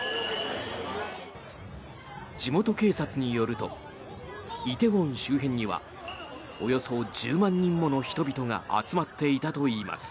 地元警察によると梨泰院周辺にはおよそ１０万人もの人々が集まっていたといいます。